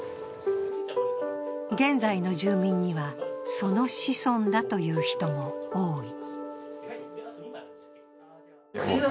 現在の住民には、その子孫だという人も多い。